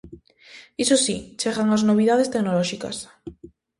Iso si, chegan as novidades tecnolóxicas.